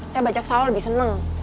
saya bajak sawal lebih seneng